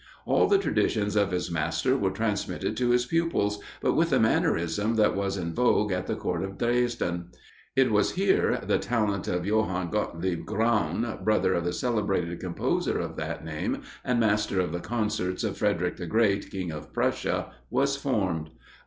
All the traditions of his master were transmitted to his pupils, but with the mannerism that was in vogue at the Court of Dresden. It was here the talent of Johann Gottlieb Graun, brother of the celebrated composer of that name, and master of the concerts of Frederick the Great, King of Prussia, was formed.